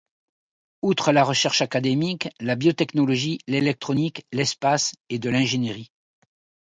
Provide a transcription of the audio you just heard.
Outre la recherche académique, la biotechnologie, l'électronique, l'espace et de l'ingénierie.